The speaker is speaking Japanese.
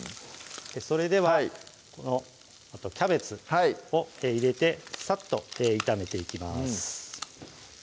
それではこのキャベツを入れてさっと炒めていきます